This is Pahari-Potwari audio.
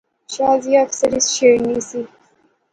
شازیہ اکثر اس چھیڑنی سی